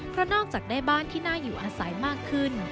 เพราะนอกจากได้บ้านที่น่าอยู่อาศัยมากขึ้น